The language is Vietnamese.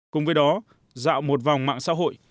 cùng với đó dạo một vòng mạng xã hội